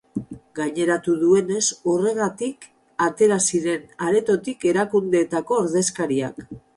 Gaineratu duenez, horregatik atera ziren aretotik erakundeetako ordezkariak.